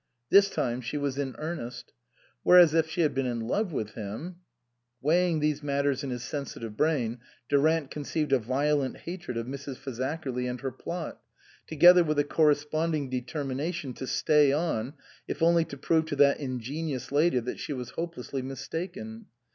This time she was in earnest. Whereas, if she had been in love with him Weighing these matters in his sensitive brain, Durant conceived a violent hatred of Mrs. Faza kerly and her plot, together with a correspond ing determination to stay on, if only to prove to that ingenious lady that she was hopelessly mistaken.